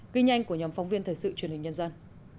ghi nhanh của nhóm phóng viên thời sự truyền hình nhân dân